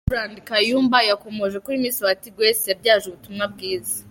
Rev Kayumba yakomoje kuri Miss Bahati Grace yabyaje ubutumwa bwiza.